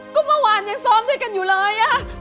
ก็เมื่อวานยังซ้อมด้วยกันอยู่เลย